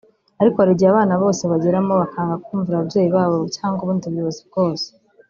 Ariko hari igihe abana bose bageramo bakanga kumvira ababyeyi babo cyangwa ubundi buyobozi bwose